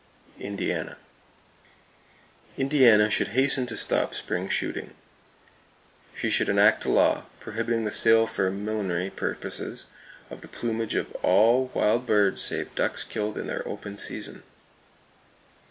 Indiana: Indiana should hasten to stop spring shooting. She should enact a law, prohibiting the sale for millinery purposes of the plumage of all wild birds save ducks killed in their open season.